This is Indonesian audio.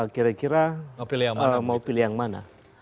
kira kira mau pilih yang mana